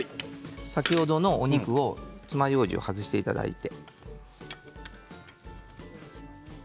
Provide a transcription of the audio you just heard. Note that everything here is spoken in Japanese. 先ほどのお肉のつまようじを外していただいて。